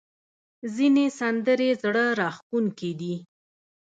ځینې سندرې زړه راښکونکې دي.